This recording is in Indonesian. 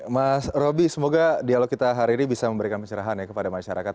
mas roby semoga dialog kita hari ini bisa memberikan pencerahan ya kepada masyarakat